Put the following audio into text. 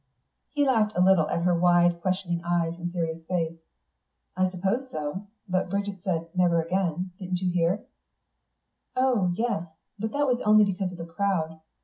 He laughed a little at her wide, questioning eyes and serious face. "I suppose so. But Bridget said 'Never again' didn't you hear?" "Oh yes. But that was only because of the crowd....